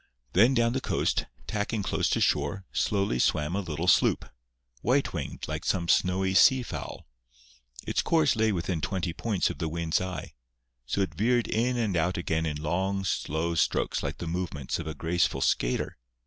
Then down the coast, tacking close to shore, slowly swam a little sloop, white winged like some snowy sea fowl. Its course lay within twenty points of the wind's eye; so it veered in and out again in long, slow strokes like the movements of a graceful skater.